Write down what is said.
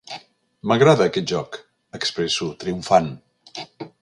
M'agrada, aquest joc —expresso, triomfant.